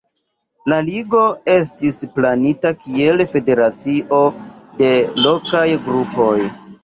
La Ligo estis planita kiel federacio de lokaj grupoj.